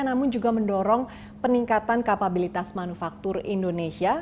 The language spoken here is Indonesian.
namun juga mendorong peningkatan kapabilitas manufaktur indonesia